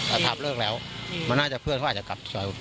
อ่าพับเลิกแล้วอืมมันน่าจะเพื่อนเขาอาจจะกลับ